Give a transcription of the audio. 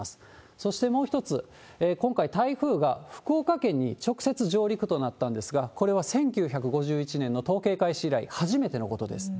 そしてもう一つ、今回、台風が福岡県に直接上陸となったんですが、これは１９５１年の統計開始以来初めてのことです。